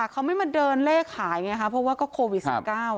เขาไม่มาเดินเลขขายไงคะเพราะว่าก็โควิด๑๙